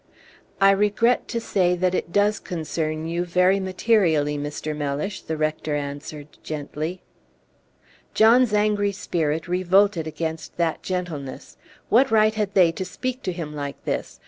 "I regret to say that it does concern you very materially, Mr. Mellish," the rector answered, gently. John's angry spirit revolted against that gentleness. What right had they to speak to him like this?